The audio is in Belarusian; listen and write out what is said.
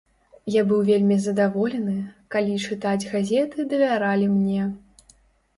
Я быў вельмі задаволены, калі чытаць газеты давяралі і мне.